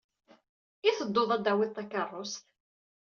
I tedduḍ ad d-tawyeḍ takeṛṛust?